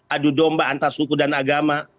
adu domba antar suku dan agama